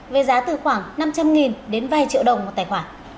với giá từ khoảng năm trăm linh đến vài triệu đồng một tài khoản